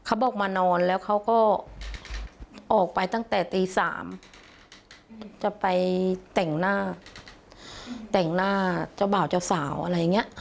เขาบอกมานอนแล้วเขาก็ออกไปตั้งแต่ตี๓จะไปแต่งหน้าแต่งหน้าเจ้าบ่าวเจ้าสาวอะไรอย่างนี้